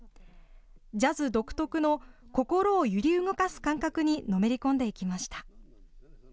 ジャズ独特の心を揺り動かす感覚にのめり込んでいきました。